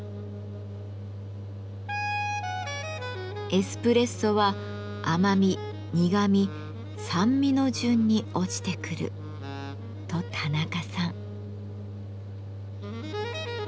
「エスプレッソは甘み苦み酸味の順に落ちてくる」と田中さん。